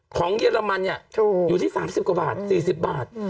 ของเยอรมันอยู่ที่๓๐กว่าบาท๔๐บาท